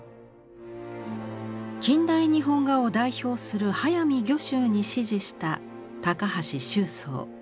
近代日本画を代表する速水御舟に師事した高橋周桑。